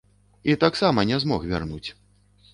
І таксама не змог вярнуць.